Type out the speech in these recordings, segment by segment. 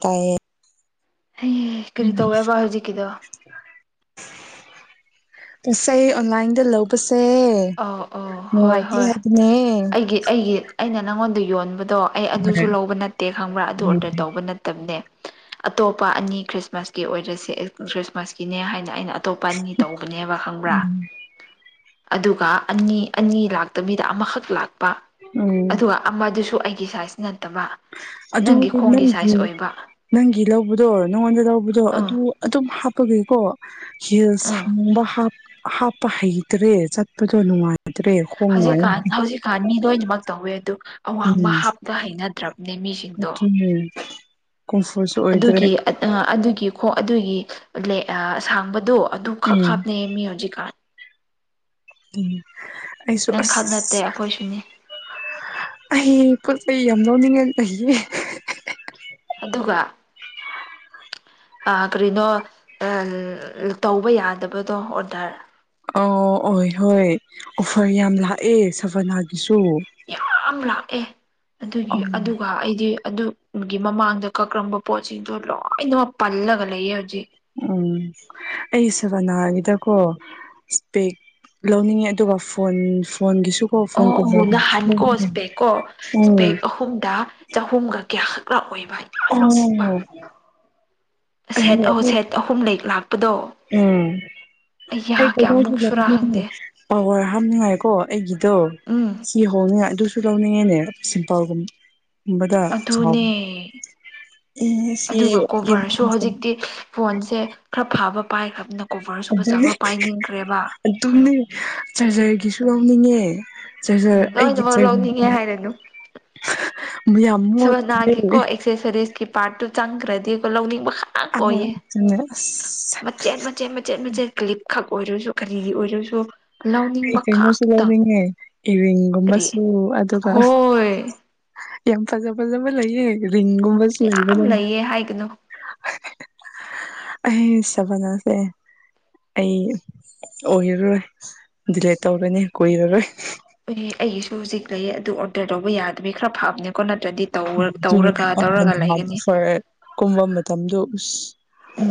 ꯇꯥꯏꯌꯦ ꯍꯌꯦ ꯀꯔꯤ ꯇꯧꯋꯦꯕ ꯍꯧꯖꯤꯛꯀꯤꯗꯣ ꯄꯁꯩ ꯑꯣꯟꯂꯥꯏꯟꯗ ꯂꯧꯕꯁꯦ ꯑꯧ ꯑꯧ ꯍꯣꯏ ꯅꯨꯡꯉꯥꯏꯇꯦ ꯍꯣꯏ ꯍꯥꯏꯕꯅꯦ ꯑꯩꯒꯤ ꯑꯩꯒꯤ ꯑꯩꯅ ꯅꯪꯉꯣꯟꯗ ꯌꯣꯟꯕꯗꯣ ꯑꯩ ꯑꯗꯨꯁꯨ ꯂꯧꯕ ꯅꯠꯇꯦ ꯈꯪꯕ꯭ꯔꯥ ꯑꯗꯨ ꯑꯣꯔꯗꯔ ꯇꯧꯕ ꯅꯠꯇꯕꯅꯦ ꯑꯇꯣꯞꯄ ꯑꯅꯤ ꯈ꯭ꯔꯤꯁꯃꯥꯁꯀꯤ ꯑꯣꯏꯔꯁꯦ ꯈ꯭ꯔꯤꯁꯃꯥꯁꯀꯤꯅꯦ ꯍꯥꯏꯅ ꯑꯩꯅ ꯑꯇꯣꯞꯄ ꯑꯅꯤ ꯇꯧꯕꯅꯦꯕ ꯈꯪꯕ꯭ꯔꯥ ꯑꯗꯨꯒ ꯑꯅꯤ ꯑꯅꯤ ꯂꯥꯛꯇ ꯃꯤꯗ ꯑꯃꯈꯛ ꯂꯥꯛꯄ ꯎꯝ ꯑꯗꯨꯒ ꯑꯃꯗꯨꯁꯨ ꯑꯩꯒꯤ ꯁꯥꯏꯖ ꯅꯠꯇꯕ ꯑꯗꯨ ꯅꯪꯒꯤ ꯈꯣꯡꯒꯤ ꯅꯪꯒꯤ ꯁꯥꯏꯖ ꯑꯣꯏꯕ ꯅꯪꯒꯤ ꯂꯧꯕꯗꯣ ꯅꯉꯣꯟꯗ ꯂꯧꯕꯗꯣ ꯑꯥ ꯑꯗꯨ ꯑꯗꯨꯝ ꯍꯥꯞꯄꯒꯤꯀꯣ ꯍꯤ ꯑꯥ ꯁꯕ ꯍꯥ ꯍꯥꯞꯄ ꯍꯩꯇ꯭ꯔꯦ ꯆꯠꯄꯗꯣ ꯅꯨꯡꯉꯥꯏꯇ꯭ꯔꯦ ꯈꯣꯡ ꯅꯥꯏꯌꯦ ꯍꯧꯖꯤꯛꯀꯥꯟ ꯍꯧꯖꯤꯛꯀꯥꯟ ꯃꯤ ꯂꯣꯏꯅꯃꯛ ꯇꯧꯋꯦ ꯑꯗꯨ ꯑꯋꯥꯡꯕ ꯍꯥꯞꯇ ꯍꯩꯅꯗ꯭ꯔꯕ ꯀꯝꯐꯁ ꯑꯗꯨꯒꯤ ꯑꯗꯨꯒꯤ ꯈꯣꯡ ꯑꯗꯨꯒꯤ ꯑꯁꯥꯡꯕꯗꯣ ꯑꯗꯨ ꯈꯛ ꯎꯝ ꯍꯥꯞꯅꯩ ꯃꯤ ꯍꯧꯖꯤꯛꯀꯥꯟ ꯑꯩꯁꯨ ꯅꯪꯈꯛ ꯅꯠꯇꯦ ꯑꯁ ꯑꯩꯈꯣꯏꯁꯨꯅꯤ ꯑꯩ ꯄꫭꯠꯆꯩ ꯌꯥꯝ ꯂꯧꯅꯤꯡꯉꯥꯏ ꯑꯩꯌꯦ ꯑꯗꯨꯒ ꯑ ꯀꯔꯤꯅꯣ ꯑ ꯇꯧꯕ ꯌꯥꯗꯕꯗꯣ ꯑꯣꯔꯗꯔ ꯑꯣ ꯑꫭꯏ ꯍꯣꯏ ꯑꯣꯐꯔ ꯌꯥꯝ ꯂꯥꯛꯑꯦ ꯁꯕꯅꯥꯒꯤꯁꯨ ꯌꯥꯝ ꯂꯥꯛꯑꯦ ꯑ ꯑꯗꯨꯒꯤ ꯑꯗꯨ ꯄ ꯑꯩꯗꯤ ꯑꯗꯨꯒꯤ ꯃꯃꯥꯡꯗ ꯀꯛꯕ ꯄꯣꯠꯁꯤꯡꯗꯣ ꯂꯣꯏꯅꯃꯛ ꯄꯜꯂꯒ ꯂꯩꯌꯦ ꯍꯧꯖꯤꯛ ꯎꯝ ꯑꯩ ꯁꯕꯅꯥꯒꯤꯗꯀꯣ ꯏꯁꯄꯦꯛ ꯂꯧꯅꯤꯡꯉꯦ ꯑꯗꯨꯒ ꯐꯣꯟ ꯐꯣꯟꯒꯤꯁꯨ ꯑꫭ ꯅ ꯍꯟꯀꯣ ꯏꯁ꯭ꯄꯦꯛꯀꯣ ꯎꯝ ꯏꯁ꯭ꯄꯦꯛ ꯑꯍꯨꯝꯗ ꯆꯍꯨꯝꯒ ꯀꯌꯥꯈꯛ ꯂꯥꯛꯑꯣꯕ ꯎꯝ ꯑꯩ ꯁꯦꯠ ꯑꯍꯨꯝ ꯁꯦꯠ ꯑꯍꯨꯝ ꯂꯩ ꯂꯥꯛꯄꯗꯣ ꯎꯝ ꯑꯩꯌꯥ ꯀꯌꯥꯃꯨꯛ ꯁꯨꯔꯥ ꯈꯪꯗꯦ [unintelligible] ꯄꯋꯥꯔ ꯍꯥꯞꯅꯤꯡꯉꯥꯏꯀꯣ ꯑꯩꯒꯤꯗꯣ ꯎꯝ ꯊꯤ ꯍꯧꯡꯉꯦ ꯑꯗꯨꯁꯨ ꯂꯧꯅꯤꯡꯉꯦꯅꯦ ꯁꯤꯝꯄꯜꯒꯨꯝ ꯑꯗꯨꯅꯦ ꯑꯗꯨꯒ ꯀꯣꯕꯔꯁꯨ ꯍꯧꯖꯤꯛꯇꯤ [unintelligible] ꯐꯣꯟꯁꯦ ꯈꯔ ꯐꯥꯕ ꯄꯥꯏꯈ꯭ꯔꯕꯅ ꯀꯣꯚꯔꯁꯨ ꯑꯗꯨꯅꯤ ꯐꯖꯕ ꯄꯥꯏꯅꯤꯡꯈ꯭ꯔꯦꯕ ꯍꯣꯏ ꯑꯗꯨꯅꯤ ꯆꯥꯔꯖꯔꯒꯤꯁꯨ ꯂꯧꯅꯤꯡꯉꯦ ꯆꯥꯔꯖꯔ ꯎꯝ ꯑꯩꯒꯤ ꯂꯣꯏꯅꯃꯛ ꯂꯧꯅꯤꯡꯉꯦ ꯆꯥꯔꯖꯔ ꯍꯥꯏꯔꯅꯨ [unintelligible] ꯌꯥꯝ ꯃꯣꯠꯈ꯭ꯔꯦ ꯊꯦꯐꯦꯁꯦꯁꯀꯤ ꯄꯥꯔꯠꯇꯨ ꯆꯪꯈ꯭ꯔꯗꯤꯀꯣ ꯂꯧꯅꯤꯡꯕꯈꯛ [unintelligible] ꯃꯆꯦꯠ ꯃꯆꯦꯠ ꯃꯆꯦꯠ ꯃꯆꯦꯠ ꯀ꯭ꯂꯤꯞ ꯈꯛ ꯑꯣꯏꯔꯁꯨ ꯀꯔꯤꯗꯤ ꯑꯣꯏꯔꯁꯨ ꯑꯩ ꯂꯧꯅꯤꯡꯕ ꯀꯩꯅꯣꯁꯨ ꯈꯛꯇ ꯂꯧꯅꯤꯡꯉꯦ ꯀꯔꯤ ꯔꯤꯡꯒꯨꯝꯕꯁꯨ ꯑꯗꯨꯒ ꯍꯣꯏ ꯌꯥꯝ ꯐꯖꯥ ꯐꯖꯕ ꯂꯩꯌꯦ ꯔꯤꯡꯒꯨꯝꯕ ꯌꯥꯝ ꯂꯩꯌꯦ ꯍꯥꯏꯒꯅꯨ ꯑꯦ ꯆꯕꯅꯥꯁꯦ ꯑꯩ ꯑꯣꯏꯔꯔꯣꯏ ꯗꯤꯂꯦꯠ ꯇꯧꯔꯅꯤ ꯀꯨꯏꯔꯔꯣꯏ ꯏꯍꯦ ꯑꯩꯒꯤꯁꯨ ꯍꯧꯖꯤꯛ ꯂꯩ ꯑꯗꯨ ꯑꯞꯗꯦꯠ ꯇꯧꯕ ꯌꯥꯗꯕꯒꯤ ꯈꯔ ꯐꯥꯕꯅꯦꯀꯣ ꯅꯠꯇ꯭ꯔꯗꯤ ꯇꯧꯔꯒ ꯇꯧꯔꯒ ꯂꯩꯒꯅꯤ [unintelligible] ꯀꯨꯝꯕ ꯃꯇꯝꯗꯣ ꯎꯁ ꯎꯝ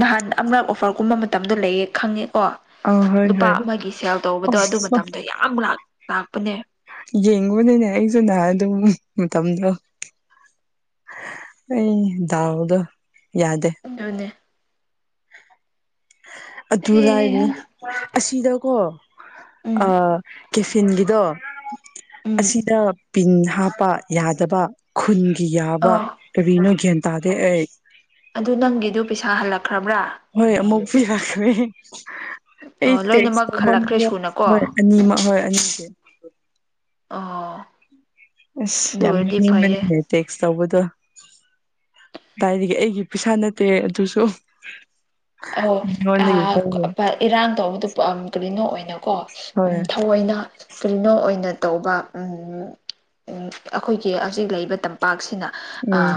ꯅꯍꯥꯟ ꯑꯃꯔꯛ ꯑꯣꯐꯔꯒꯨꯝꯕ ꯃꯇꯝꯗꯣ ꯂꯩꯌꯦ ꯈꯪꯉꯦꯀꯣ ꯑꯥ ꯍꯣꯏ ꯂꯨꯄꯥ ꯍꯣꯏ ꯑꯃꯒꯤ ꯁꯦꯜ ꯇꯧꯕꯗꯣ ꯑꯗꯨ ꯑꯁ ꯃꯇꯝꯗ ꯌꯥꯝ ꯂꯥꯛꯄꯅꯦ ꯌꯦꯡ ꯅꯨꯅꯦ ꯑꯁꯨ ꯅꯍꯥꯟ ꯑꯗꯨ ꯃꯇꯗꫭ ꯑꯩ ꯌꯥꯎꯗꯣ ꯌꯥꯗꯦ ꯗꯨꯅꯦ ꯑ ꯖꯨꯂꯥꯏꯅꯦ ꯑꯁꯤꯗꯀꯣ ꯎꯝ ꯑ ꯀꯦꯐꯤꯟꯒꯤꯗꯣ ꯎꯝ ꯑꯁꯤꯗ ꯄꯤꯟ ꯍꯥꯞꯄ ꯌꯥꯗꯕ ꯈꯨꯟꯒꯤ ꯌꯥꯕ ꯑꯣ ꯀꯔꯤꯅꯣ ꯒ꯭ꯌꯥꯟ ꯇꯥꯗꯦ ꯑꯩ ꯑꯗꯨ ꯅꯪꯒꯤꯗꯨ ꯄꯩꯁꯥ ꯍꯜꯂꯛꯈ꯭ꯔꯕ꯭ꯔꯥ ꯍꯣꯏ ꯑꯃꯨꯛꯄꯨ ꯌꯥꯈ꯭ꯔꯦ ꯑꯩ ꯑꯣ ꯇꯦꯛꯁ ꯂꯣꯏꯅꯃꯛ ꯍꯜꯂꯛꯈ꯭ꯔꯦ ꯇꯧꯃꯟꯕꯅ ꯁꯨꯅꯀꯣ ꯍꯣꯏ ꯑꯅꯤꯃꯛ ꯍꯣꯏ ꯑꯅꯤꯁꯦ ꯑ ꯑꯁ ꯌꯥꯝ ꯌꯦꯡꯅꯤꯡꯕꯅꯤꯅꯦ ꯇꯦꯛꯁ ꯇꯧꯕꯗꯣ ꯇꯥꯏꯕꯒꯤ ꯑꯩꯒꯤ ꯄꯩꯁꯥ ꯅꯠꯇꯦ ꯑꯗꯨꯁꯨ ꯃꯤꯉꯣꯟꯗꯒꯤ ꯂꯧꯋꯦ [unintelligible] ꯏꯔꯥꯡ ꯇꯧꯕꯗꯨ ꯀꯔꯤꯅꯣ ꯑꯣꯏꯅꯀꯣ ꯍꯣꯏ ꯎꯝ ꯑꫭꯏꯅ ꯀꯔꯤꯅꯣ ꯑꯣꯏꯅ ꯇꯧꯕ ꯎꯝ ꯑꯩꯈꯣꯏꯒꯤ ꯍꯧꯖꯤꯛ ꯂꯩꯔꯤꯕ ꯇꯝꯄꯥꯛꯁꯤꯅ ꯎꯝ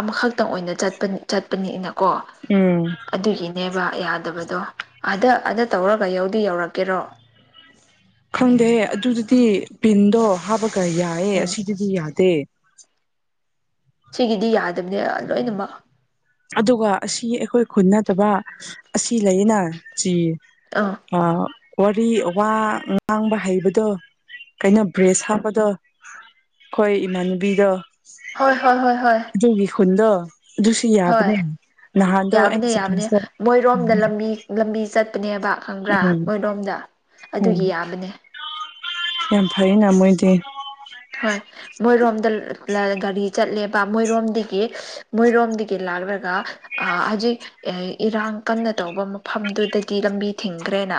ꯑꯃꯈꯛꯇꯪ ꯑꯣꯏꯅ ꯆꯠꯄ ꯆꯠꯄꯅꯤꯅꯀꯣ ꯎꯝ ꯑꯗꯨꯒꯤꯅꯦꯕ ꯌꯥꯗꯕꯗꯣ ꯑꯗ ꯑꯗ ꯇꯧꯔꯒ ꯌꯧꯗꯤ ꯌꯧꯔꯛꯀꯦꯔꯣ ꯈꯪꯗꯦ ꯑꯗꯨꯗꯨꯗꯤ ꯄꯤꯟꯗꯣ ꯍꯥꯞꯄꯒ ꯌꯥꯏꯌꯦ ꯎꯝ ꯑꯁꯤꯗꯨꯗꯤ ꯌꯥꯗꯦ ꯁꯤꯒꯤꯗꯤ ꯌꯥꯗꯕꯅꯦ ꯂꯣꯏꯅꯃꯛ ꯑꯗꯨꯒ ꯑꯁꯤ ꯑꯩꯈꯣꯏ ꯈꯨꯟ ꯅꯠꯇꯕ ꯑꯁꯤ ꯂꯩꯌꯦꯅ ꯆ ꯑꯥ ꯋꯥꯔꯤ ꯋꯥ ꯉꯥꯡꯕ ꯍꯩꯕꯗꯣ ꯀꯩꯅꯣ ꯕ꯭ꯔꯦꯖ ꯍꯥꯞꯄꯗꯣ ꯑꯩꯈꯣꯏ ꯏꯃꯥꯟꯅꯕꯤꯗꯣ ꯍꯣꯏ ꯍꯣꯏ ꯍꯣꯏ ꯍꯣꯏ ꯒꯤ ꯈꯨꯨꯟꯗꯣ ꯑꯗꯨ ꯁꯤ ꯍꯣꯏ ꯌꯥꯕꯅꯤ ꯌꯥꯕꯅꯦ ꯃꯣꯏꯔꯣꯝꯗ ꯂꯝꯕꯤ ꯂꯝꯕꯤ ꯆꯠꯄꯅꯦꯕ ꯈꯪꯒ꯭ꯔꯥ ꯃꯣꯏꯔꯣꯝꯗ ꯑꯣꯝ ꯑꯗꯨꯒꯤ ꯌꯥꯕꯅꯦ ꯌꯥꯝ ꯐꯩ ꯅ ꯃꯣꯏꯗꯤ ꯍꯣꯏ ꯃꯣꯏꯔꯣꯝꯗ ꯒꯥꯔꯤ ꯆꯠꯂꯦꯕ ꯃꯣꯏꯔꯣꯝꯗꯒꯤ ꯃꯣꯏꯔꯣꯝꯗꯒꯤ ꯂꯥꯛꯂꯒ ꯍꯧꯖꯤꯛ ꯏꯔꯥꯡ ꯀꯟꯅ ꯇꯧꯕ ꯃꯐꯝꯗꯨꯗꯗꯤ ꯂꯝꯕꯤ ꯊꯤꯡꯈ꯭ꯔꯦꯅ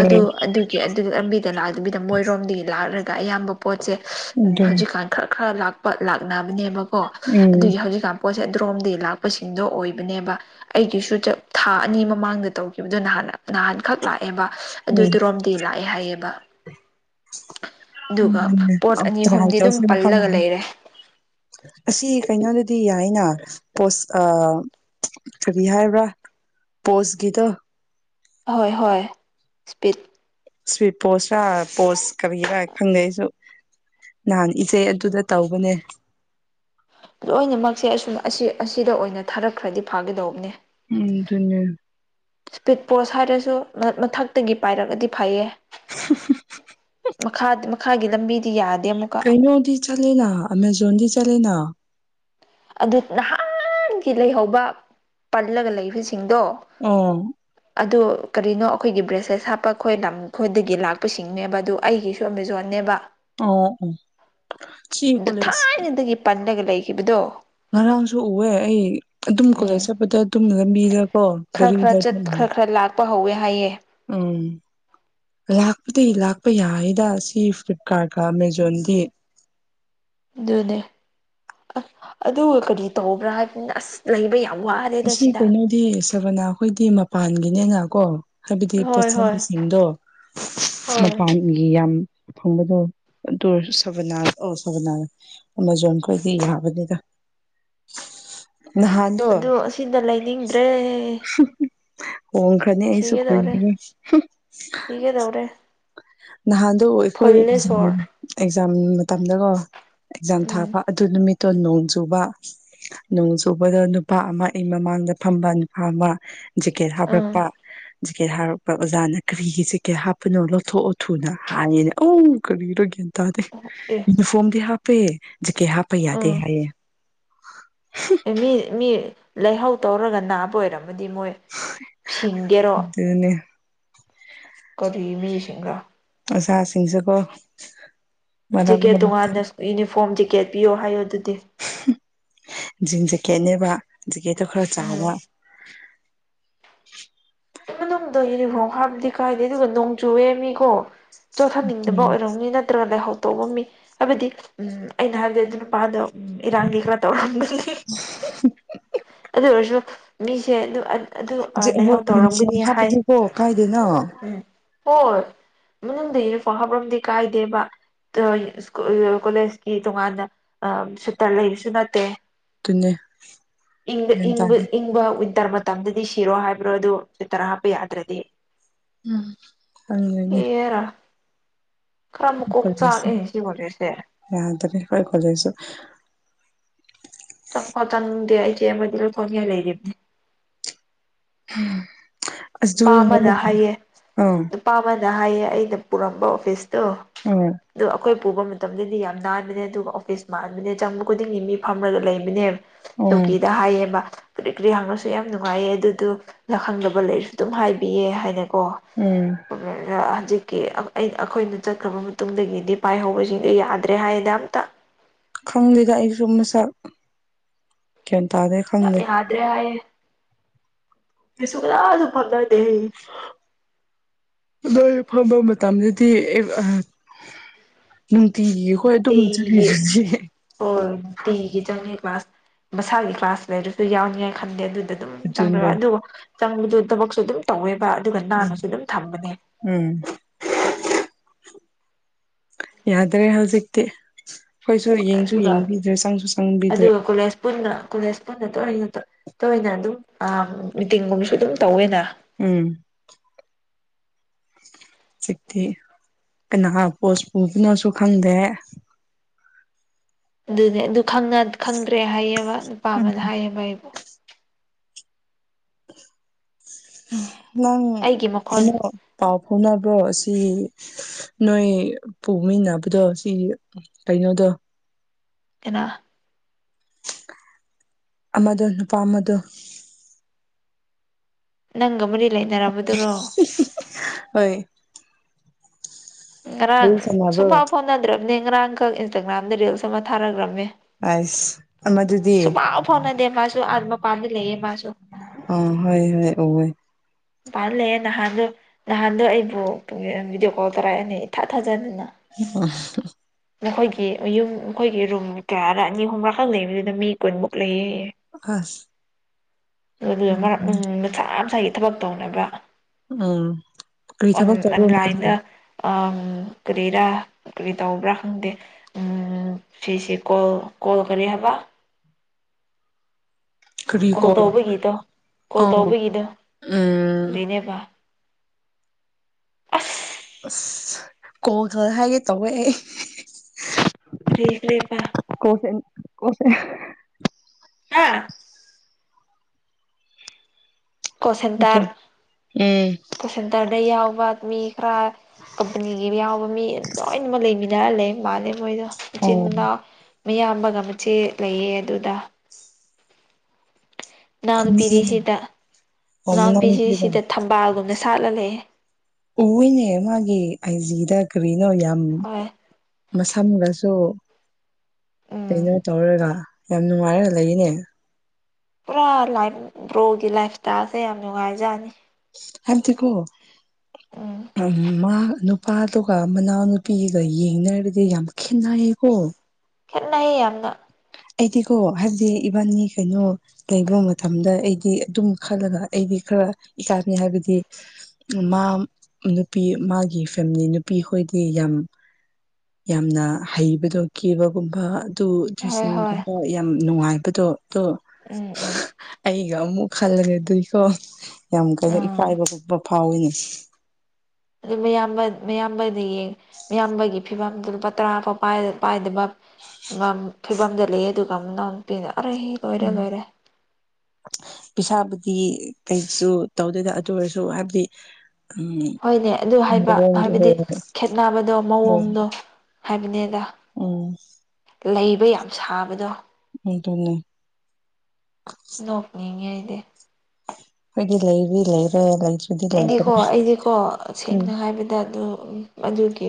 ꯑꯗꯨ ꯑꯗꯨꯒꯤ ꯑꯗꯨꯒꯤ ꯂꯝꯕꯤꯗ ꯂꯥꯛꯑ ꯑꯗꯨꯕꯤꯗ ꯃꯣꯏꯔꯣꯝꯗꯒꯤ ꯂꯥꯛꯂꯒ ꯑꯌꯥꯝꯕ ꯄꯣꯠꯁꯦ ꯑꯗꯨꯅꯤ ꯍꯧꯖꯤꯛꯀꯥꯟ ꯈꯔ ꯈꯔ ꯂꯥꯛꯄ ꯂꯥꯛꯅꯕꯅꯦꯕꯀꯣ ꯎꯝ ꯑꯗꯨꯒꯤ ꯍꯧꯖꯤꯛꯀꯥꯟ ꯄꯣꯠꯁꯦ ꯗ꯭ꯔꯣꯝꯗ ꯂꯥꯛꯄꯁꯤꯡꯗꯣ ꯑꯣꯏꯕꯅꯦꯕ ꯑꯩꯒꯤꯁꯨ ꯊꯥ ꯑꯅꯤ ꯃꯃꯥꯡꯗ ꯇꯧꯈꯤꯕꯗꯨꯣ ꯅꯍꯥꯟꯅ ꯅꯍꯥꯟꯈꯛ ꯂꯥꯛꯑꯦꯕ ꯑꯗꯨ ꯇꯔꯣꯝꯗꯤ ꯂꯥꯛꯑꯦ ꯍꯥꯏꯌꯦꯕ ꯑꯗꯨꯒ ꯄꯣꯠ ꯑꯅꯤ ꯎꯝ꯭ꯔ ꯍꯥꯏ ꯑꯍꯨꯝꯗꯤ ꯑꯗꯨꯝ ꯇꯁꯦ ꯀ ꯄꯜꯂꯒ ꯂꯩꯔꯦ ꯑꯁꯤ ꯀꯩꯅꯣꯗꯗꯤ ꯌꯥꯏꯅ ꯄꯣꯁ ꯀꯔꯤ ꯍꯥꯏꯕ꯭ꯔꯥ ꯄꯣꯁ ꯒꯤꯗ ꯑꯣꯏ ꯍꯣꯏ ꯁ꯭ꯄꯤꯠ ꯁ꯭ꯋꯤꯠ ꯄꯣꯁꯇ ꯄꯣꯁ ꯀꯔꯤꯔ ꯈꯪꯅꯩꯁꯨ ꯅꯍꯥꯟ ꯏꯆꯦ ꯑꯗꯨꯗ ꯇꯧꯕꯅꯦ ꯂꯣꯏꯅꯃꯛꯁꯦ ꯑꯁꯨꯝ ꯑꯁꯤ ꯑꯁꯤꯗ ꯑꯣꯏꯅ ꯊꯥꯔꯛꯈ꯭ꯔꯗꯤ ꯐꯥꯒꯗꯧꯕꯅꯦ ꯎꯝ ꯑꯗꯨꯅꯤ ꯏꯁꯄꯤꯠ ꯄꯣꯁ ꯍꯥꯏꯔꯁꯨ ꯃꯊꯛꯇꯒꯤ ꯄꯥꯏꯔꯒꯗꯤ ꯐꯩꯌꯦ ꯍ ꯃꯈꯥ ꯃꯈꯥꯒꯤ ꯂꯝꯕꯤꯗꯤ ꯌꯥꯗꯦ ꯑꯃꯨꯛꯀ ꯀꯩꯅꯩꯅꯣꯗꯤ ꯆꯂꯦꯅ ꯑꯃꯖꯣꯟꯗꯤ ꯆꯂꯦꯅ ꯑꯗꯨ ꯅꯍꯥꯟꯒꯤ ꯂꯩꯍꯧꯕ ꯄꯜꯂꯒ ꯂꯩꯕꯁꯤꯡꯗꯣ ꯑ ꯑꯗꯨꯣ ꯀꯔꯤꯅꯣ ꯑꯩꯈꯣꯏꯒꯤ ꯕ꯭ꯔꯦꯁꯂꯦꯁ ꯍꯥꯞꯄ ꯑꯩꯈꯣꯏ ꯂꯝꯈꯣꯏꯗꯒꯤ ꯂꯥꯛꯄꯁꯤꯡꯅꯦꯕ ꯑꯗꯨ ꯑꯩꯒꯤꯁꯨ ꯑꯃꯃꯦꯖꯦꯕ ꯑꯣ ꯑꯣ ꯁꯤ ꯀꯣꯂꯦꯖ ꯄꯟꯅꯂꯒ ꯂꯩꯈꯤꯕꯗꯣ ꯉꯔꯥꯡꯁꯨ ꯎꯑꯦ ꯑꯩ ꯑꯗꯨꯝ ꯀꯣꯂꯦꯖ ꯎꯝ ꯆꯠꯄꯗ ꯑꯗꯨꯨꯝꯒ ꯃꯤꯗ ꯀꯣ ꯈꯔ ꯈꯔ ꯆꯠ ꯈꯔ ꯈꯔ ꯂꯥꯛꯄ ꯍꯧꯋꯦ ꯍꯥꯏꯌꯦ ꯎꯝ ꯂꯥꯛꯄꯗꯤ ꯂꯥꯛꯄ ꯌꯥꯏꯗ ꯁꯤ ꯐ꯭ꯂꯤꯞꯀꯥꯔꯠꯀ ꯑꯃꯥꯖꯣꯟꯗꯤ ꯑꯗꯨꯅꯦ ꯑꯁ ꯑꯗꯨ ꯀꯔꯤ ꯇꯧꯕ꯭ꯔꯥ ꯑꯁ ꯂꯩꯕ ꯌꯥꯝ ꯋꯥꯦ ꯑꯁꯤ ꯀꯩꯅꯣꯗꯤ ꯁꯕꯅꯥꯈꯣꯏꯗꯤ ꯃꯄꯥꯟꯒꯤꯅꯦꯅ ꯀꯣ ꯍꯥꯏꯕꯗꯤ ꯍꯣꯏ ꯍꯣꯏ ꯄꯣꯠꯆꯁꯤꯡꯗꯣ ꯍꯣꯏ ꯃꯄꯥꯟ ꯒꯤ ꯌꯥꯝ ꯐꯪꯕꯗꯣ ꯑꯗꯨ ꯁ ꯑꯣ ꯁꯅꯥ ꯑꯃꯥꯖꯣꯟꯈꯣꯏꯗꯤ ꯌꯥꯕꯅꯤꯗ ꯅꯍꯥꯟ ꯑꯣ ꯑꯁꯤꯅ ꯂꯩꯅꯤꯡꯗ꯭ꯔꯦ ꯍꯣꯡꯈ꯭ꯔꯅꯤ ꯑꯩꯁꯨ ꯁꯤꯒꯗꯧꯔꯦ ꯀꯨꯏꯅꯤꯡꯦ ꯁꯤꯒꯗꯧꯔꯦ ꯅꯍꯥꯟꯗꯣ ꯐꯨꯜꯂꯦ ꯑꯩꯈꯣꯏꯛꯖꯥꯝ ꯁꯣꯔ ꯑꯦꯛꯖꯥꯝ ꯃꯇꯝꯗꯀꯣ ꯑꯦꯛꯖꯥꯝ ꯎꯝ ꯊꯥꯕ ꯑꯗꯨ ꯅꯨꯃꯤꯠꯇꯣ ꯅꯣꯡ ꯆꯨꯕ ꯅꯣꯡ ꯆꯨꯕꯗ ꯅꯨꯄꯥ ꯑꯃ ꯑꯩ ꯃꯃꯥꯡꯗ ꯐꯝꯕ ꯅꯨꯄꯥ ꯑꯃ ꯖꯦꯀꯦꯠ ꯑꯥ ꯍꯥꯞꯔꯛꯄ ꯖꯤꯛꯀꯦꯠ ꯍꯥꯞꯔꯛꯄ ꯑꯣꯖꯥꯅ ꯀꯔꯤꯒꯤ ꯖꯤꯛꯀꯦꯠ ꯍꯥꯞꯄꯅꯣ ꯂꯧꯊꯣꯛꯑꯣ ꯊꯨꯅ ꯍꯥꯏꯌꯦꯅꯦ ꯑꯧ ꯀꯔꯤꯔꯥ ꯒꯤꯌꯥꯟ ꯇꯥꯗꯦ ꯑꯣ ꯑꯦ ꯐꯣꯝꯗꯤ ꯍꯥꯞꯄꯦ ꯖꯦꯀꯦꯠ ꯍꯥꯞꯄꯥ ꯌꯥꯗꯦ ꯑꯥ ꯍꯥꯏꯌꯦ ꯃꯤ ꯃꯤ ꯂꯥꯍꯧ ꯇꯧꯔꯒ ꯅꯥꯕ ꯑꯣꯏꯔꯝꯃꯗꯤ ꯃꯣꯏ ꯁꯤꯡꯒꯦꯔꯣ ꯑꯗꯨꯅꯤ ꯀꯔꯤ ꯃꯤꯁꯤꯡꯔꯥ ꯑꯣꯖꯥꯁꯤꯡꯁꯨꯀꯣ ꯃꯔꯛ ꯖꯦꯀꯦꯠ ꯃꯔꯛ ꯇꯣꯉꯥꯟꯅ ꯌꯨꯅꯤꯐꯣꯝ ꯖꯦꯀꯦꯠ ꯄꯤꯌꯣ ꯍꯥꯏꯌꯣ ꯑꯗꯨꯗꯤ ꯖꯤꯟ ꯖꯦꯛꯀꯦꯠꯅꯦꯕ ꯖꯦꯛꯀꯦꯠꯇꯣ ꯈꯔ ꯎꯝ ꯆꯥꯎꯕ ꯃꯅꯨꯡꯗ ꯌꯨꯅꯤꯐꯣꯔꯝ ꯍꯥꯞꯂꯗꯤ ꯀꯥꯏꯗꯦ ꯑꯗꯨꯒ ꯅꯣꯡ ꯆꯨꯌꯦꯃꯤꯀꯣ ꯆꯣꯠꯍꯟꯅꯤꯡꯗꯕ ꯎꯝ ꯑꯣꯏꯔꯝꯅꯤ ꯅꯠꯇ꯭ꯔꯒ ꯂꯥꯏꯍꯧ ꯇꯧꯕ ꯃꯤ ꯍꯥꯏꯕꯗꯤ ꯎꯝ ꯑꯩꯅ ꯍꯥꯏꯕꯗꯤ ꯑꯗꯨ ꯅꯨꯄꯥꯗꯣ ꯎꯝ ꯏꯔꯥꯥꯡꯗꯤ ꯈꯔꯥ ꯇꯧꯔꯝꯒꯅꯤ [inaudible] ꯑꯗꯨ ꯑꯣꯏꯔꯁꯨ ꯃꯤꯁꯦ ꯑꯗꯨ ꯑ ꯑꯗꯨ ꯑ ꯍꯣꯏ ꯂꯥꯏꯍꯧ ꯌꯨꯅꯤꯐꯣꯔꯝ ꯇꯧꯔꯝꯒꯅꯤ ꯍꯥꯏ ꯍꯥꯞꯄꯗꯤꯀꯣ ꯀꯥꯏꯗꯦꯅ ꯎꯝ ꯍꯣꯏ ꯃꯅꯨꯡꯗ ꯌꯨꯅꯤꯐꯣꯝ ꯍꯥꯞꯔꯣꯝꯗꯤ ꯀꯥꯏꯗꯦꯕ ꯗꯨ ꯁꯀꯨ ꯀꯣꯂꯦꯖꯀꯤ ꯇꯣꯉꯥꯟꯅ ꯑ ꯁꯇꯔ ꯂꯩꯕꯁꯨ ꯅꯠꯇꯦ ꯗꯨꯅꯦ ꯏꯪꯗ ꯏꯪꯕ ꯏꯪꯕ ꯋꯤꯟꯇꯔ ꯃꯇꯝꯗꯗꯤ ꯁꯤꯔꯣ ꯍꯥꯏꯕ꯭ꯔꯣ ꯑꯗꯨ ꯁꯣꯏꯇꯔ ꯍꯥꯞꯄ ꯌꯥꯗ꯭ꯔꯗꯤ ꯎꯝ ꯍꯪꯗꯣꯏꯅꯦ [unintelligible] ꯈꯔꯥ ꯃꯀꯣꯛ ꯆꯥꯛꯑꯦ ꯁꯤ ꯀꯣꯂꯦꯁꯁꯦ ꯌꯥꯗꯔꯦ ꯈꯣꯏ ꯀꯣꯂꯦꯁꯁꯨ [unintelligible] ꯑꯩꯁꯦ ꯑꯃꯥꯗꯤ ꯂꯧꯊꯣꯛꯅꯤꯡꯉꯥꯏ ꯂꯩꯔꯤꯝꯅꯦ ꯑꯗꯨ ꯍꯥꯏꯁꯦ ꯑ ꯄꯥꯃꯥꯅ ꯍꯥꯏꯌꯦ ꯑꯩꯅ ꯄꯨꯔꯝꯕ ꯑꯣꯐꯤꯁꯇꯣ ꯎꯝ ꯑꯗꯣ ꯑꯩꯈꯣꯏ ꯄꯨꯕ ꯃꯇꯝꯗꯗꯤ ꯌꯥꯝ ꯅꯥꯟꯕꯅꯦ ꯑꯗꯨꯒ ꯑꯣꯐꯤꯁ ꯃꯥꯟꯕꯅꯦ ꯆꯪꯕ ꯈꯨꯗꯤꯡꯒꯤ ꯃꯤ ꯐꯝꯔꯒ ꯂꯩꯕꯅꯦ ꯎꯝ ꯇꯨꯀꯤꯗ ꯍꯥꯏꯌꯦꯕ ꯀꯔꯤ ꯀꯔꯤ ꯍꯪꯉꯁꯨ ꯌꯥꯝ ꯅꯨꯡꯉꯥꯏꯌꯦ ꯑꯗꯨꯗꯨ ꯈꯪꯗꯕ ꯂꯩꯔꯁꯨ ꯑꯗꯨꯝ ꯍꯥꯏꯕꯤꯌꯦ ꯍꯥꯏꯅꯀꯣ ꯎꯝ ꯍꯧꯖꯤꯛꯀꯤ ꯑꯩ ꯑꯩꯈꯣꯏꯅ ꯆꯠꯈ꯭ꯔꯕ ꯃꯇꯨꯡꯗꯒꯤꯗꯤ ꯄꯥꯏꯍꯧꯕꯁꯤꯡꯗꯣ ꯌꯥꯗ꯭ꯔꯦ ꯍꯥꯏꯗ ꯑꯝꯇ ꯈꯪꯗꯦꯗ ꯑꯩꯁꯨ ꯃꯁꯛ ꯒ꯭ꯌꯥꯟ ꯇꯥꯗꯦ ꯈꯪꯗꯦ ꯌꯥꯗ꯭ꯔꯦ ꯍꯥꯏꯌꯦ ꯃꯤꯁꯨ ꯀꯅꯥꯝꯇ ꯐꯝꯅꯗꯦ ꯍꯥꯏꯌꯦ ꯅꯣꯏ ꯐꯝꯕ ꯃꯇꯝꯗꯗꯤ ꯅꯨꯡꯇꯤꯒꯤ ꯍꯣꯏ ꯑꯗꯨꯝ ꯇꯤꯒꯤ ꯆꯠꯂꯤꯁꯤꯗꯤ ꯍꯣꯏ ꯄꯤꯒꯤ ꯆꯪꯉꯦ ꯀ꯭ꯂꯥꯁ ꯃꯁꯥꯒꯤ ꯀ꯭ꯂꯥꯁ ꯂꯩꯔꯁꯨ ꯌꯥꯎꯅꯤꯉꯥꯏ ꯈꯟꯗꯦ ꯑꯗꯨꯗ ꯑꯗꯨꯝ ꯆꯪꯔꯒ ꯑꯗꯨꯅꯦ ꯑꯗꯨꯒ ꯆꯪꯕꯗꯨ ꯊꯕꯛꯁꯨ ꯑꯗꯨꯝ ꯇꯧꯋꯦꯕ ꯑꯗꯨꯒ ꯎꯝ ꯅꯥꯟꯅꯁꯨ ꯑꯗꯨꯝ ꯊꯝꯕꯅꯦ ꯎꯝ ꯌꯥꯗ꯭ꯔꯦ ꯍꯧꯖꯤꯛꯇꯤ ꯑꯩꯈꯣꯏꯁꯨ ꯌꯦꯡꯁꯨ ꯑꯗꯨꯒ ꯌꯦꯡꯕꯤꯗ꯭ꯔꯦ ꯆꯪꯁꯨ ꯆꯪꯕꯤꯗ꯭ꯔꯦ ꯑꯗꯨꯒ ꯀꯣꯂꯦꯖ ꯄꯨꯟꯅ ꯀꯣꯂꯦꯖ ꯄꯨꯟꯅ ꯇꯣꯏꯅ ꯇꯣꯏꯅ ꯑꯗꯨꯝ ꯑꯥ ꯃꯤꯇꯤꯡꯒꯨꯝꯕꯁꯨ ꯑꯗꯨꯝ ꯇꯧꯋꯦꯅ ꯎꯝ ꯍꯧꯖꯤꯛꯇꯤ ꯀꯅꯥ ꯄꯣꯁ ꯄꯨꯕꯅꯣꯁꯨ ꯈꯪꯗꯦ ꯑꯗꯨꯅꯦ ꯑꯗꯨ ꯈꯪꯅ ꯈꯪꯗ꯭ꯔꯦ ꯍꯥꯏꯌꯦꯕ ꯅꯨꯄꯥ ꯎꯝ ꯑꯃꯅ ꯍꯥꯏꯌꯦꯕ ꯑꯩꯕꯨ ꯅꯪ ꯑꯩꯒꯤ ꯃꯈꯣꯟ ꯀꯩꯅꯣ ꯄꯥꯎ ꯐꯥꯎꯅꯕ꯭ꯔꯣ ꯁꯤ ꯅꯣꯏ ꯄꯨꯃꯤꯟꯅꯕꯗꯣ ꯁꯤ ꯀꯩꯅꯣꯗꯣ ꯀꯅꯥ ꯑꯃꯗꯣ ꯅꯨꯄꯥ ꯑꯃꯗꯣ ꯅꯪꯒ ꯃꯔꯤ ꯂꯩꯥꯏ ꯅꯪ ꯍ ꯍꯣꯏ ꯉꯔꯥꯡ ꯋꯥꯔꯤ ꯁꯨꯡꯐꯥꯎ ꯁꯥꯟꯅꯕ꯭ꯔꯣ ꯐꯥꯎꯅꯗ꯭ꯔꯕꯅꯦ ꯉꯔꯥꯡꯈꯛ ꯏꯟꯁꯇꯥꯒ꯭ꯔꯥꯝꯗ ꯔꯤꯜꯁ ꯑꯃ ꯊꯥꯔꯈ꯭ꯔꯕꯅꯦ ꯑꯁ ꯑꯃꯗꯨꯗꯤ ꯁꯨꯃꯎ ꯐꯥꯎꯅꯗꯦ ꯃꯥꯁꯨ ꯑꯠꯃ ꯄꯥꯟꯗ ꯂꯩ ꯃꯥꯁꯨ ꯑ ꯍꯣꯏ ꯍꯣꯏ ꯎꯣꯏ ꯃꯄꯥꯥꯟꯜ ꯂꯩꯦ ꯅꯍꯥꯟꯗꯣ ꯅꯍꯥꯟꯗꯣ ꯑꯩꯕꯨ ꯚꯗꯤꯑꯣ ꯀꯣꯜ ꯇꯧꯔꯛꯑꯅꯤ ꯏꯊꯥ ꯊꯥꯖꯅꯤꯅ ꯑꯣ ꯅꯈꯣꯏꯒꯤ ꯃ ꯌꯨꯝ ꯅꯈꯣꯏꯒꯤ ꯔꯨꯝ ꯀꯌꯥꯗ ꯑꯅꯤ ꯑꯨꯝꯕꯥꯈꯛ ꯂꯩꯕꯗꯨꯗ ꯃꯤ ꯀꯨꯟꯃꯨꯛ ꯂꯩꯌꯦꯌꯦ ꯑꯁ ꯃꯔꯛ ꯃꯁꯥ ꯃꯁꯥꯒꯤ ꯊꯕꯛ ꯇꯧꯅꯕ ꯎꯝ ꯀꯔꯤ ꯊꯕꯛ ꯑꯣꯟ ꯇꯧꯕ꯭ꯔꯣ ꯃꯥꯗꯤ ꯂꯥꯏꯟꯗ ꯀꯔꯤꯔꯥ ꯀꯔꯤ ꯇꯧꯕ꯭ꯔꯥ ꯁꯤ ꯁꯤ ꯀꯣꯜ ꯀꯣꯜ ꯀꯍꯦꯕ ꯀꯣꯜ ꯇꯧꯕꯒꯤꯗꯣ ꯀꯣꯜ ꯑꯥ ꯇꯧꯕꯒꯤꯗꯣ ꯎꯝ ꯀꯔꯤꯅꯦꯕ ꯑꯁ ꯑꯁ ꯀꯣꯈꯜ ꯍꯥꯏꯒꯦ ꯇꯧꯋꯦ ꯑꯩ ꯀꯔꯤ ꯀ꯭ꯔꯤꯄꯥ ꯀꯣꯁ ꯀꯣꯁ ꯍꯥꯥ ꯀꯣ ꯎꯝ ꯁꯦꯟꯇꯔ ꯀꯣ ꯁꯦꯟꯇꯔꯗ ꯌꯥꯎꯕ ꯃꯤ ꯈꯔ ꯀꯝꯄꯅꯤꯒꯤ ꯌꯥꯎꯕ ꯃꯤ ꯂꯣꯏꯅꯃꯛ ꯂꯩꯃꯤꯟꯅꯔ ꯂꯩ ꯃꯥꯂꯦ ꯃꯣꯏꯗꯣ ꯃꯆꯤꯟ ꯑꯣ ꯃꯅꯥꯎ ꯃꯌꯥꯝꯕꯒ ꯃꯆꯦ ꯂꯩꯌꯦ ꯑꯗꯨꯗ ꯈꯨꯟꯒꯤ ꯃꯅꯥꯎꯅꯨꯄꯤꯗꯤ ꯁꯤꯗ ꯑꯣ ꯃꯅꯥꯎ ꯃꯅꯥꯎꯅꯨꯄꯤꯔꯣ ꯅꯨꯨꯄꯤꯁꯤꯁꯤꯗ ꯊꯝꯕꯥꯜꯒꯨꯝꯅ ꯁꯥꯠꯂ ꯂꯩꯑꯦ ꯑꯣꯏꯅꯦ ꯃꯥꯒꯤ ꯑꯩꯖꯤꯗ ꯀꯔꯤꯅꯣ ꯌꯥꯝ ꯍꯣꯏ ꯃꯁꯝꯒꯁꯨ ꯎꯝ ꯀꯩꯅꯣ ꯇꯧꯔꯒ ꯌꯥꯝ ꯅꯨꯡꯉꯥꯏꯔꯒ ꯂꯩꯅꯦ ꯄꯨꯔꯥ ꯂꯥꯏꯐ ꯕ꯭ꯔꯣꯒꯤ ꯂꯥꯏꯐ ꯏꯁꯇꯥꯏꯜꯁꯦ ꯌꯥꯝ ꯅꯨꯡꯉꯥꯏꯖꯅꯤ ꯑꯝꯇꯀꯣ ꯎꯝ ꯃꯥ ꯅꯨꯄꯥꯗꯨꯒ ꯃꯅꯥꯎꯅꯨꯄꯤꯒ ꯌꯦꯡꯅꯔꯗꯤ ꯌꯥꯝ ꯈꯦꯠꯅꯩꯌꯦꯀꯣ ꯈꯦꯠꯅꯩ ꯌꯥꯝꯅ ꯑꯩꯗꯤꯀꯣ ꯍꯥꯏꯕꯗꯤ ꯏꯕꯥꯟꯅꯤ ꯀꯩꯅꯣ ꯂꯩꯕ ꯃꯇꯝꯗ ꯑꯩꯗꯤ ꯑꯗꯨꯝ ꯈꯜꯂꯒ ꯑꯩꯗꯤ ꯈꯔ ꯏꯀꯥꯟꯅꯤ ꯍꯥꯏꯕꯗꯤ ꯃꯥ ꯅꯨꯄꯤ ꯃꯥꯒꯤ ꯐꯦꯃꯤꯂꯤ ꯅꯨꯄꯤ ꯈꯣꯏꯗꯤ ꯌꯥꯝ ꯌꯥꯝꯅ ꯍꯩꯕꯗꯣ ꯀꯦꯕꯒꯨꯝꯕ ꯑꯗꯨ ꯍꯣꯏ ꯍꯣꯏ ꯗ꯭ꯔꯦꯁꯤꯡꯒꯨꯝꯕ ꯌꯥꯝ ꯅꯨꯡꯉꯥꯏ ꯍꯥꯏꯕꯗꯣ ꯑꯣ ꯎꯝ ꯎꯝ ꯑꯩꯒ ꯑꯃꯨꯛ ꯈꯜꯂꯒꯗꯣꯏꯀꯣ ꯌꯥꯝ ꯀꯩꯅꯣ ꯑꯥ ꯏꯀꯥꯏꯕꯒꯄ ꯐꯥꯎꯏꯅꯦ ꯑꯗꯨ ꯃꯌꯥꯝꯕ ꯃꯌꯥꯝꯕꯗꯤ ꯌꯦꯡ ꯃꯤꯌꯥꯝꯕꯒꯤ ꯐꯤꯕꯝꯗꯨ ꯂꯨꯄꯥ ꯇꯔꯥ ꯐꯥꯎ ꯄꯥꯏꯗꯕ ꯐꯤꯕꯝꯗ ꯂꯩ ꯑꯗꯨꯒ ꯑꯃꯅꯎ ꯅꯨꯄꯤꯅ ꯑꯔ ꯂꯣꯏꯔꯦ ꯂꯣꯏꯔꯦ ꯑ ꯄꯩꯁꯥꯕꯨꯗꯤ ꯀꯩꯁꯨ ꯇꯧꯗꯣꯏꯗ ꯑꯗꯨ ꯑꯣꯏꯔꯁꯨ ꯍꯥꯏꯕꯗꯤ ꯎꯝ ꯍꯣꯏꯅꯦ ꯑꯗꯨ ꯍꯥꯏꯕ ꯃꯑꯣꯡꯗꯣ ꯍꯥꯏꯕꯗꯤ ꯍꯣꯏ ꯈꯦꯠꯅꯕꯗꯣ ꯃꯑꯣꯡꯗꯣ ꯍꯥꯏꯕꯅꯦꯗ ꯑꯣꯝ ꯂꯩꯕ ꯌꯥꯝ ꯁꯥꯕꯗꯣ ꯑ ꯇꯅ ꯊꯣꯛꯞꯅꯤꯉ ꯑꯩꯗꯤ ꯑꯩꯗꯤ ꯂꯩꯔꯤ ꯂꯩꯔꯦ ꯂꯩ ꯑꯩꯗꯤꯀꯣ ꯑꯩꯗꯤꯀꯣ ꯁꯦꯡꯅ ꯍꯥꯏꯕꯗ ꯑꯗꯨ ꯑꯗꯨꯒꯤ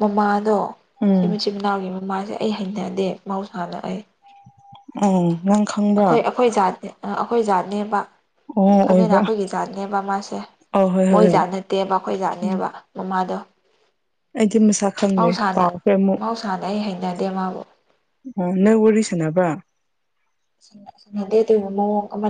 ꯃꯃꯥꯗꯣ ꯁꯤ ꯎꯝ ꯃꯆꯤꯟ ꯃꯅꯥꯎꯒꯤ ꯃꯃꯥꯁꯦ ꯑꯩ ꯍꯩꯅꯗꯦ ꯃꯍꯧꯁꯥꯅ ꯑꯩ ꯎꯝ ꯅꯪ ꯈꯪꯕ꯭ꯔꯣ ꯑꯩꯈꯣꯏ ꯑꯩꯈꯣꯏ ꯖꯥꯠꯅꯦ ꯑꯩꯈꯣꯏ ꯖꯥꯠꯅꯦꯕ ꯑꯣ ꯈꯪꯉꯦꯅ ꯑꯣꯏꯕ꯭ꯔꯥ ꯑꯩꯈꯣꯏꯒꯤ ꯖꯥꯠꯅꯦꯕ ꯃꯥꯁꯦ ꯑ ꯍꯣꯏ ꯍꯣꯏ ꯃꯣꯏ ꯍꯣꯏ ꯖꯥꯠ ꯅꯠꯇꯦꯕ ꯑꯩꯈꯣꯏ ꯎꯝ ꯖꯥꯠꯅꯦꯕ ꯃꯃꯥꯗꯣ ꯑꯩꯗꯤ ꯃꯁꯥ ꯈꯪꯗꯦ ꯃꯍꯧꯁꯥꯅ ꯀꯥꯎꯈ꯭ꯔꯦ ꯑꯃꯨꯛ ꯃꯍꯧꯁꯥꯅ ꯑꯩ ꯍꯩꯅꯗꯦ ꯃꯥꯕꯨ ꯑꯝ ꯅꯣꯏ ꯋꯥꯔꯤ ꯁꯥꯟꯅꯕ꯭ꯔ ꯁꯥꯟꯅꯗꯦ ꯑꯗꯨ ꯃ [unintelligible]